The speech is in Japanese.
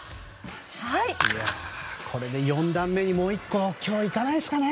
これで４段目にもう１個今日いかないですかね？